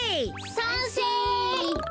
さんせい！